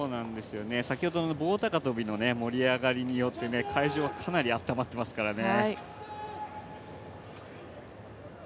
先ほどの棒高跳の盛り上がりによって会場、かなりあったまっていますからね。